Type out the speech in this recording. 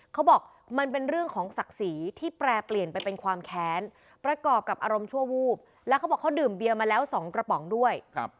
เขาบอกมันเป็นเรื่องของศักดิ์ศรีที่แปรเปลี่ยนไปเป็นความแค้นประกอบกับอารมณ์ชั่ววูบแล้วเขาบอกเขาดื่มเบียมาแล้ว๒กระป๋องด้วย